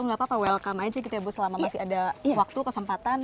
nggak apa apa welcome aja gitu ya bu selama masih ada waktu kesempatan